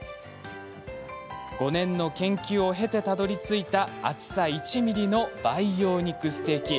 ５年の研究を経て、たどりついた厚さ１ｍｍの培養肉ステーキ。